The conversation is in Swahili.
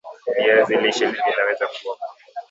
Viazi lishe vinaweza kuokwa